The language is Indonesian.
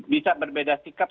bisa berbeda sikap